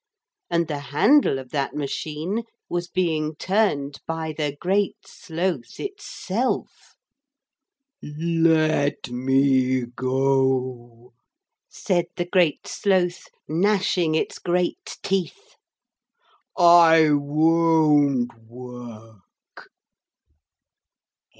And the handle of that machine was being turned by the Great Sloth itself. 'Let me go,' said the Great Sloth, gnashing its great teeth. 'I won't work!'